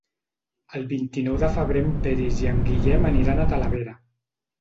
El vint-i-nou de febrer en Peris i en Guillem aniran a Talavera.